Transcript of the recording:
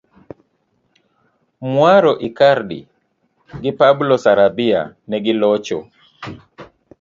Muaro Icardi gi Pablo Sarabia negilocho